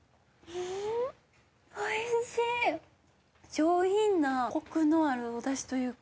上品なコクのあるおダシというか。